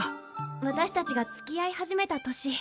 私たちがつきあい始めた年。